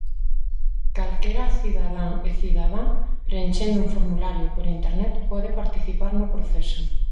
Calquera cidadán e cidadá, preenchendo un formulario por internet, pode participar no proceso.